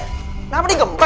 kenapa di gempa